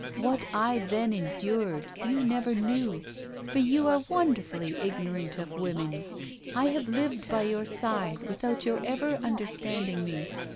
What I then endured you never knew, for you are wonderfully ignorant of women. I have lived by your side without your ever understanding me.